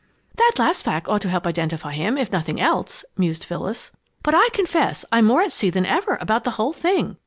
"That last fact ought to help to identify him, if nothing else," mused Phyllis. "But I confess I'm more at sea than ever about the whole thing.